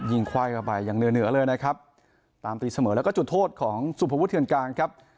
ไขว้เข้าไปอย่างเหนือเหนือเลยนะครับตามตีเสมอแล้วก็จุดโทษของสุภวุฒเทือนกลางครับ